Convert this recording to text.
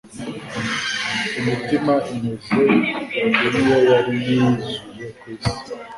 Imitima imeze iryo ni yo yari yizuye ku isi.